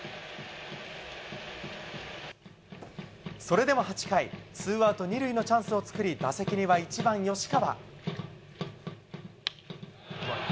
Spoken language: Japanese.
それでも８回、ツーアウト２塁のチャンスを作り、打席には１番吉川。